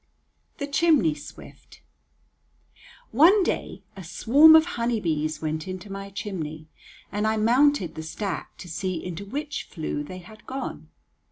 THE CHIMNEY SWIFT One day a swarm of honey bees went into my chimney, and I mounted the stack to see into which flue they had gone.